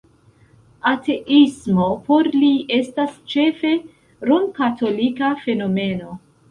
Ateismo por li estas ĉefe romkatolika fenomeno!